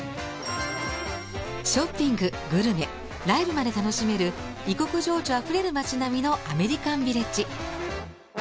ショッピンググルメライブまで楽しめる異国情緒あふれる街並みのアメリカンビレッジ。